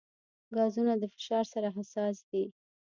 ګازونه د فشار سره حساس دي.